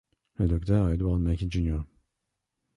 Le docteur Edward Maki Jr.